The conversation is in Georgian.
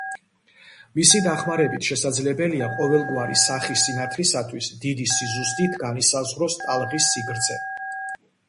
მათი დახმარებით შესაძლებელია ყოველგვარი სახის სინათლისათვის დიდი სიზუსტით განისაზღვროს ტალღის სიგრძე.